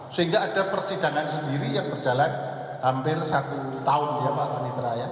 sehingga ada persidangan sendiri yang berjalan hampir satu tahun